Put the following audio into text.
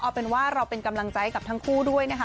เอาเป็นว่าเราเป็นกำลังใจกับทั้งคู่ด้วยนะคะ